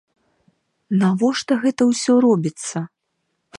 Навошта гэта ўсё робіцца?